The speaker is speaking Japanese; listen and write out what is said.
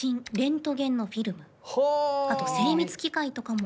あと精密機械とかも。